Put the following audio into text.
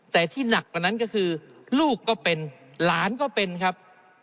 แต่ที่หนักกว่านั้นก็คือลูกก็เป็นหลานก็เป็นครับ